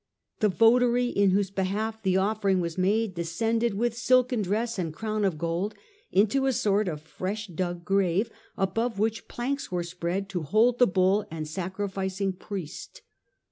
The votary in whose behalf the offering was made de scended with silken dress and crown of gold into a sort of fresh dug grave, above which planks were spread to hold the bull and sacrificing priest.